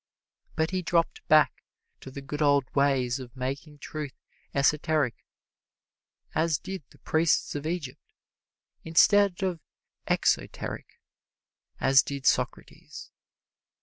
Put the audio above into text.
But he dropped back to the good old ways of making truth esoteric as did the priests of Egypt, instead of exoteric as did Socrates.